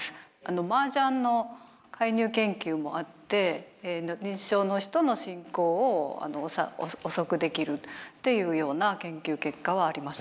マージャンの介入研究もあって認知症の人の進行を遅くできるっていうような研究結果はありますね。